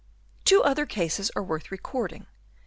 Two other cases are worth recording.